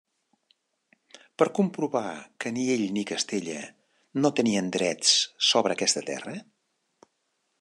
Per comprovar que ni ell ni Castella no tenien drets sobre aquesta terra?